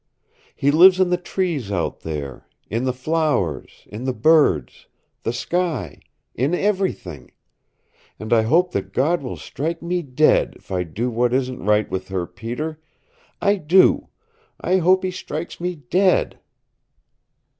He lives in the trees out there, in the flowers, in the birds, the sky, in everything and I hope that God will strike me dead if I do what isn't right with her, Peter! I do. I hope he strikes me dead!"